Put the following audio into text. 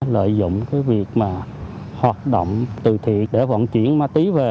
lợi dụng việc hoạt động từ thi để vận chuyển ma túy về